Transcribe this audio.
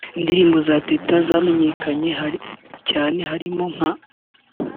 Indirimbo za Teta zamenyekanye cyane harimo nka